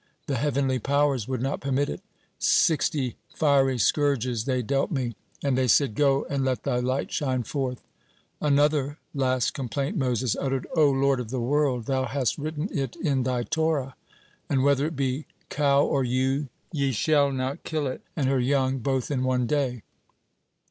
The heavenly powers would not permit it. Sixty fiery scourges they dealt me, and they said, 'Go and let thy light shine forth,'" (38) Another last complaint Moses uttered: "O Lord of the world, Thou hast written it in Thy Torah: 'And whether it be cow or ewe, ye shall not kill it and her young both in one day.'